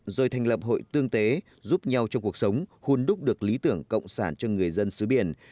rồi thành lập hội tương tế giúp nhau trong cuộc sống hôn đúc được lý tưởng cộng sản cho người dân xứ biển